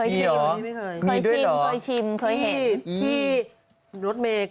มีหรอมีด้วยเหรอเคยชิมเคยเห็น